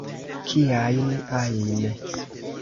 Kiajn ajn!